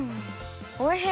おいしい！